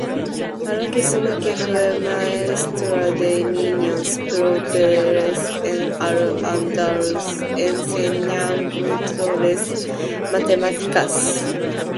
A lo que suma que fue maestra de niños pobres en al-Ándalus, enseñándoles matemáticas.